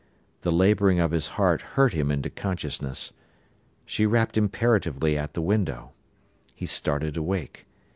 The labouring of his heart hurt him into consciousness. She rapped imperatively at the window. He started awake.